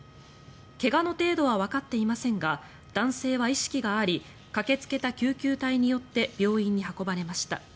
怪我の程度はわかっていませんが男性は意識があり駆けつけた救急隊によって病院に運ばれました。